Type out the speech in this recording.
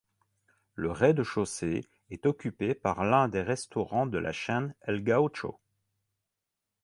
Le rez-de-chaussée est occupé par l'un des restaurants de la chaîne El Gaucho.